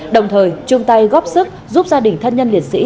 đồng thời chung tay góp sức giúp gia đình thân nhân liệt sĩ